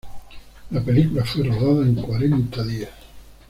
La película fue rodada en cuarenta días.